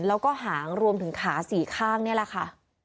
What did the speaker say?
แล้วก็หางรวมถึงขา๔ข้างนี่แหละค่ะ